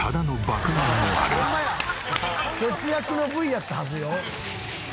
節約のＶやったはずよ。